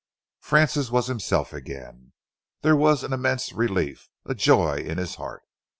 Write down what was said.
Francis was himself again. There was an immense relief, a joy in his heart.